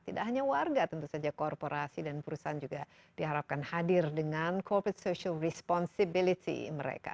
tidak hanya warga tentu saja korporasi dan perusahaan juga diharapkan hadir dengan corporate social responsibility mereka